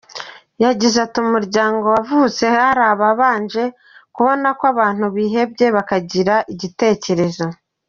Yagize ati “Umuryango wavutse hari ababanje kubona ko abantu bihebye bakagira igitekerezo.